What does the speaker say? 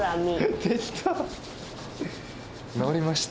できた。